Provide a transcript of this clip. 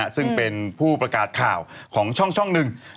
ซึ่งเป็นผู้ประกาศข่าวของช่องหนึ่ง